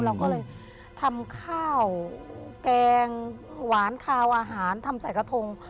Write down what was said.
เราก็เลยทำข้าวแกงหวานคาวอาหารทำใส่กระทง